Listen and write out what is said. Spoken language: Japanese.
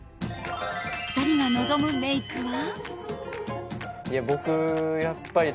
２人が望むメイクは。